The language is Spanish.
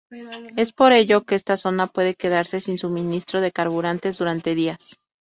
Es por ello que esta zona puede quedarse sin suministro de carburantes durante días.